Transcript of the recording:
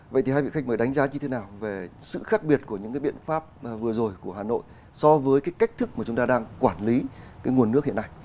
vậy thì hai vị khách mời đánh giá như thế nào về sự khác biệt của những cái biện pháp vừa rồi của hà nội so với cái cách thức mà chúng ta đang quản lý cái nguồn nước hiện nay